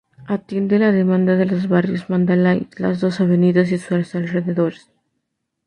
Atiende la demanda de los barrios Mandalay, Las Dos Avenidas y sus alrededores.